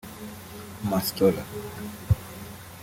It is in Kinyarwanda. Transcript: Mastola